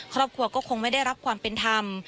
ครอบครัวก็คงไม่ได้รับความเป็นธรรม